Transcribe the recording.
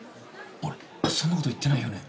俺そんなこと言ってないよね？